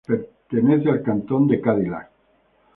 Pertenece al Cantón de Cadillac.